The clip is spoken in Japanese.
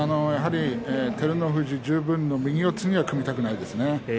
照ノ富士十分の右四つには組みたくないですね。